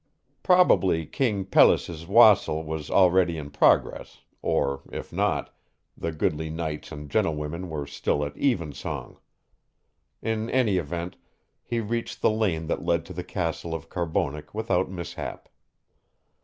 Probably King Pelles' wassail was already in progress, or, if not, the goodly knights and gentlewomen were still at evensong. In any event, he reached the lane that led to the castle of Carbonek without mishap.